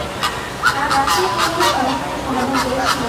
আর Russia কীভাবে সমস্যাটার সমাধান করেছিল?